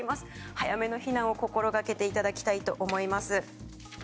早めの避難を心がけていただきたいと思います。